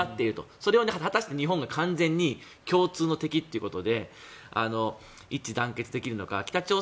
それを果たして日本が完全に共通の敵ということで一致団結できるのか。